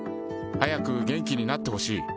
早く元気になってほしい。